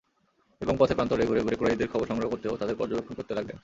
এবং পথে প্রান্তরে ঘুরে ঘুরে কুরাইশদের খবর সংগ্রহ করতে ও তাদের পর্যবেক্ষণ করতে লাগলেন।